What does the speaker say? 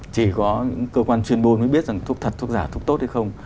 chỉ có những cơ quan chuyên môn mới biết rằng thuốc thật thuốc giả thuốc tốt hay không